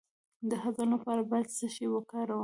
د هضم لپاره باید څه شی وکاروم؟